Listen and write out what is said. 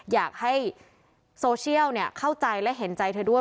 อยากให้โซเชียลเข้าใจและเห็นใจเธอด้วย